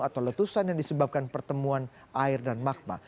atau letusan yang disebabkan pertemuan air dan magma